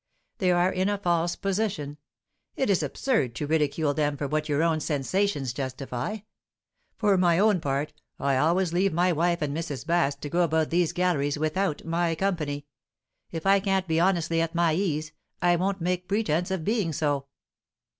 They are in a false position; it is absurd to ridicule them for what your own sensations justify. For my own part, I always leave my wife and Mrs. Baske to go about these galleries without my company. If I can't be honestly at my ease, I won't make pretence of being so."